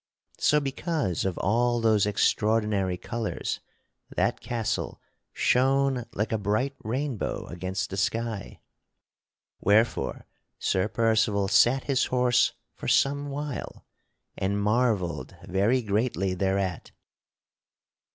So because of all those extraordinary colors, that castle shone like a bright rainbow against the sky, wherefore Sir Percival sat his horse for some while and marvelled very greatly thereat.